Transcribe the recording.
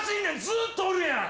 ずっとおるやん。